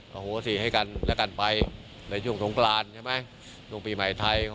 โจทย์ศรีให้การและการไปในช่วงทโงงกลานน์ใช่ไหมตรงปีไหมทัย